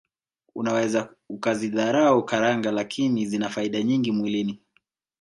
Unaweza ukazidharau karanga lakini zina faida nyingi mwilini